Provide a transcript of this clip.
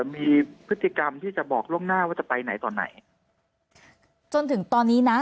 มีพฤติกรรมที่จะบอกล่วงหน้าว่าจะไปไหนต่อไหนจนถึงตอนนี้นะ